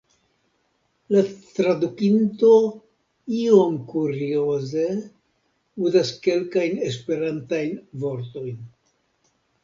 La tradukinto iom kurioze uzas kelkajn esperantajn vortojn.